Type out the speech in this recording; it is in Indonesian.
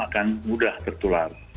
akan mudah tertular